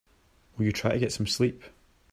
Will you try to get some sleep?